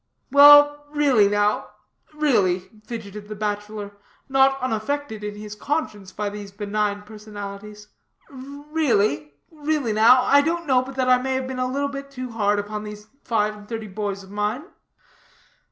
"Well, really, now really," fidgeted the bachelor, not unaffected in his conscience by these benign personalities, "really, really, now, I don't know but that I may have been a little bit too hard upon those five and thirty boys of mine."